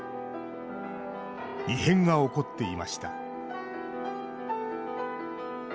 異変が起こっていました。